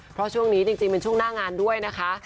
เพราะช่วงนี้จริงเป็นช่วงหน้างานด้วยนะคะ